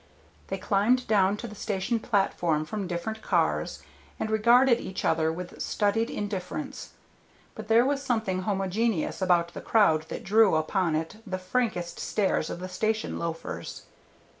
They climbed down to the station platform from different cars, and regarded each other with studied indifference, but there was something homogeneous about the crowd that drew upon it the frankest stares of the station loafers.